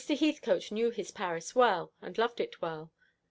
Heathcote knew his Paris well, and loved it well.